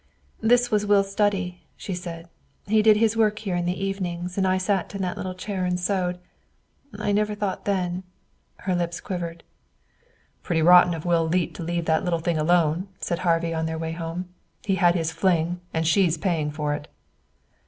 "This was Will's study," she said. "He did his work here in the evenings, and I sat in that little chair and sewed. I never thought then " Her lips quivered. "Pretty rotten of Will Leete to leave that little thing alone," said Harvey on their way home. "He had his fling; and she's paying for it."